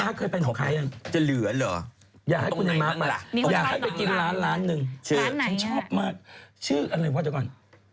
ไปที่โอกาสนี้จะเหลือเหรออยากให้ไปกินร้านหนึ่งชอบมากชื่ออะไรว่ะเดี๋ยวก่อน